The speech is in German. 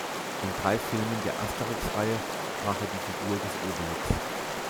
In drei Filmen der "Asterix"-Reihe sprach er die Figur des Obelix.